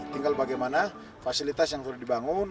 tinggal bagaimana fasilitas yang sudah dibangun